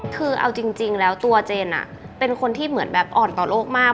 คือเอาจริงแล้วตัวเจนเป็นคนที่เหมือนแบบอ่อนต่อโลกมาก